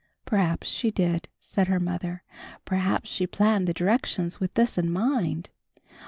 "Perhaps she did," said her mother. "Perhaps she planned the directions with this in mind."